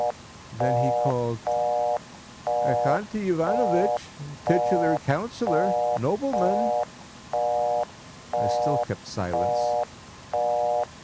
Then he called "Axanti Ivanovitch! Titular Councillor! Nobleman!" I still kept silence.